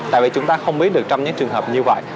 tại vì chúng ta không biết được trong những trường hợp như vậy